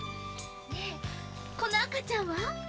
ねこの赤ちゃんは？